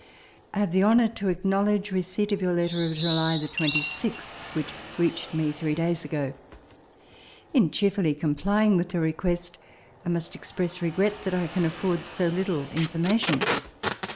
I have the honour to acknowledge receipt of your letter of July 26th, which reached me three days ago. In cheerfully complying with your request, I must express regret that I can afford so little information.